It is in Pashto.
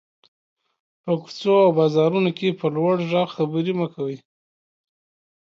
په کوڅو او بازارونو کې په لوړ غږ خبري مه کوٸ.